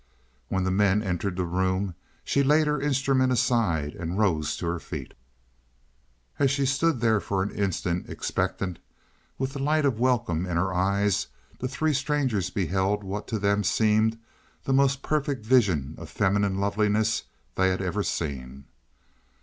When the men entered the room she laid her instrument aside and rose to her feet. As she stood there for an instant, expectant, with the light of welcome in her eyes, the three strangers beheld what to them seemed the most perfect vision of feminine loveliness they had ever seen.